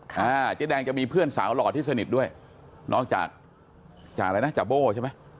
เจ๊แดงจะมีเพื่อนสาวหล่อที่สนิทด้วยนอกจากจากอะไรนะจาโบ้ใช่ไหม